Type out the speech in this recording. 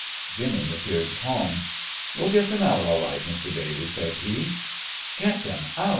Jimmy appeared calm. "We'll get them out all right, Mr. Daly," said he. "Get them out!"